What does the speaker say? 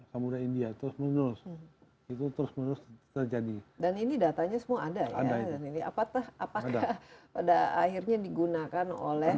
kemudian india terus menerus itu terus menerus terjadi dan ini datanya semua ada ya ini apakah pada akhirnya digunakan oleh